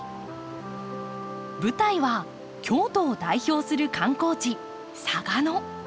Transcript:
舞台は京都を代表する観光地嵯峨野。